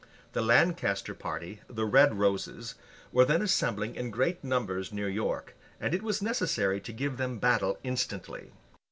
The Lancaster party, the Red Roses, were then assembling in great numbers near York, and it was necessary to give them battle instantly.